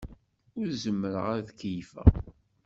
Ur zemmreɣ ad keyyfeɣ.